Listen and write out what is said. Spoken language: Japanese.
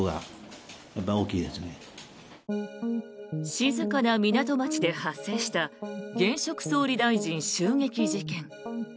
静かな港町で発生した現職総理大臣襲撃事件。